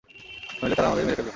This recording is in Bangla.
নইলে তারা আমাদের মেরে ফেলবে।